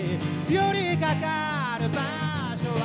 「寄りかかる場所は」